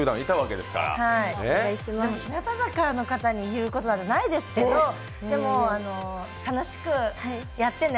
でも、日向坂の方に言うことなどないですけど、でも、楽しくやってね。